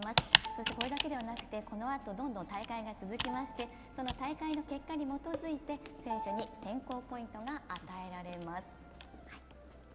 そしてこれだけではなくて、このあとどんどん大会が続きましてその大会の結果に基づいて選手に選考ポイントが与えられます。